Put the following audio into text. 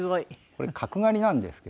これ角刈りなんですけど。